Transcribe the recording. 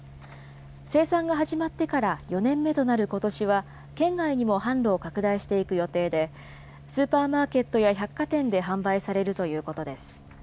生産が始まってから４年目となることしは、県外にも販路を拡大していく予定で、スーパーマーケットや百貨店で販売されるということです。